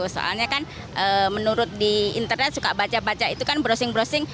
soalnya kan menurut di internet suka baca baca itu kan browsing browsing